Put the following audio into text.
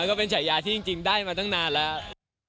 แล้วก็เป็นฉายาที่จริงได้มาตั้งนานแล้ว